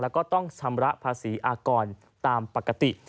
แล้วก็ต้องชำระภาษีอากรตามปกติ